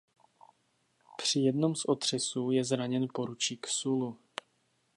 Při jednom z otřesů je zraněn poručík Sulu.